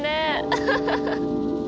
アハハハ！